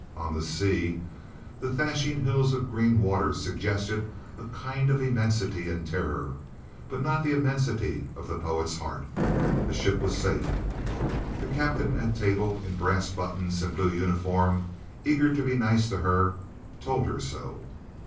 On the sea the thrashing hills of green water suggested a kind of immensity and terror, but not the immensity of the poet's heart. The ship was safe, the captain at table in brass buttons and blue uniform, eager to be nice to her—told her so.